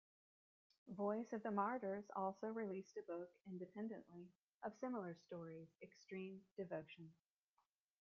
Voice of the Martyrs also released a book independently of similar stories, "Extreme Devotion".